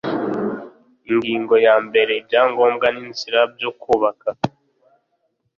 Ingingo ya mbere Ibyangombwa n inzira byo kubaka